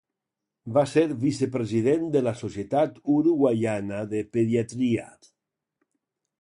Va ser vicepresident de la Societat Uruguaiana de Pediatria.